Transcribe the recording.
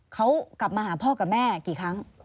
เขากลับมาหาพ่อกับแม่กี่ครั้ง